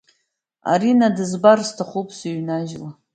Арина дызбар сҭахуп, сыҩнажьла!